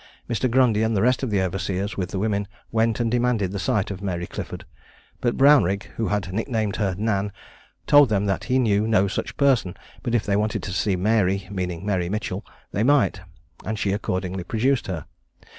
Mr. Grundy and the rest of the overseers, with the women, went and demanded a sight of Mary Clifford; but Brownrigg, who had nicknamed her Nan, told them that he knew no such person; but, if they wanted to see Mary (meaning Mary Mitchell), they might, and she accordingly produced her.